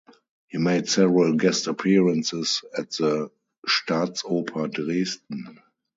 He made several guest appearances at the Staatsoper Dresden.